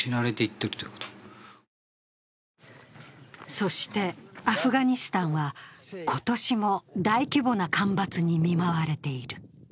そしてアフガニスタンは今年も大規模な干ばつに見舞われている。